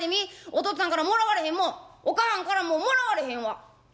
おとっつぁんからもらわれへんもんお母はんからももらわれへんわ」。